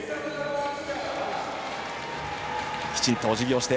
きちんとおじぎをして